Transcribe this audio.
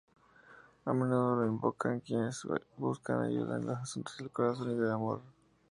A menudo la invocan quienes buscan ayuda en asuntos del corazón y del amor.